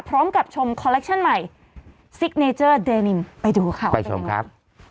พร้อมกับชมคอลเลคชั่นใหม่ซิกเนเจอร์เดนินไปดูค่ะไปชมครับ